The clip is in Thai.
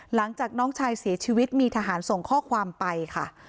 หลังจากน้องชายเสียชีวิตมีทหารส่งข้อความไปค่ะ